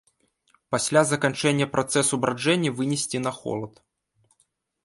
Пасля заканчэння працэсу браджэння вынесці на холад.